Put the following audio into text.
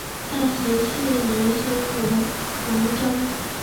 三十四年升为龙江府。